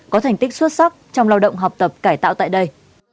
có thành tích xuất sắc trong lao động học tập cải tạo tại đây